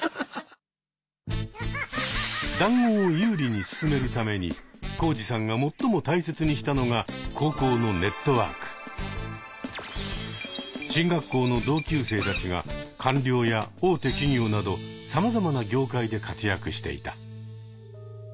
談合を有利に進めるためにコウジさんが最も大切にしたのが進学校の同級生たちが官僚や大手企業など様々な業界で活躍していた。